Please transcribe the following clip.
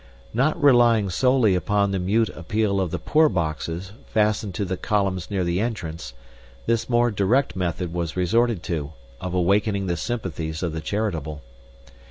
Not relying solely upon the mute appeal of the poor boxes fastened to the columns near the entrance, this more direct method was resorted to, of awakening the sympathies of the charitable.